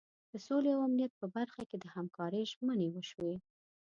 د سولې او امنیت په برخه کې د همکارۍ ژمنې وشوې.